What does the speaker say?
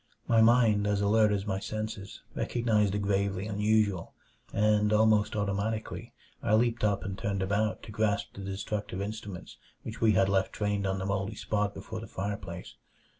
My mind, as alert as my senses, recognized the gravely unusual; and almost automatically I leaped up and turned about to grasp the destructive instruments which we had left trained on the moldy spot before the fireplace.